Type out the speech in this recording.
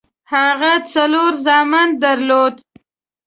هغه څلور زامن درلودل.